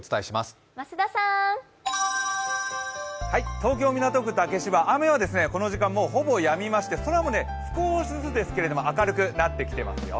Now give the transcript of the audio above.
東京・港区竹芝、雨はこの時間、もうほぼやみまして、空も少しずつですけど明るくなってきていますよ。